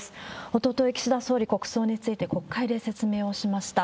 おととい、岸田総理、国葬について国会で説明をしました。